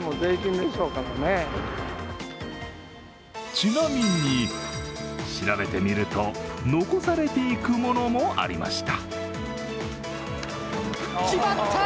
ちなみに、調べてみると残されていくものもありました。